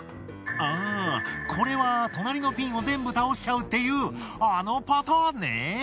あぁこれは隣のピンを全部倒しちゃうっていうあのパターンね。